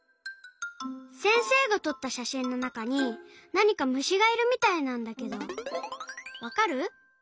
せんせいがとったしゃしんのなかになにかむしがいるみたいなんだけどわかる？